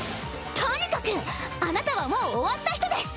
とにかくあなたはもう終わった人です！